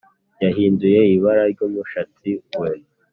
Yahinduye ibara ry’umushatsi we